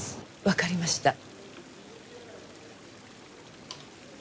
わかりました。